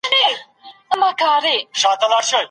تاسو خرابې شوې مېوې له نورو مېوو جلا کړئ.